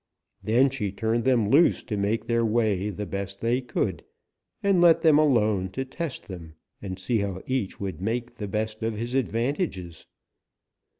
Then she turned them loose to make their way the best they could, and let them alone to test them and see how each would make the best of his advantages.